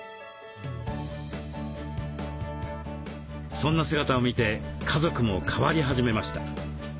そんな姿を見て家族も変わり始めました。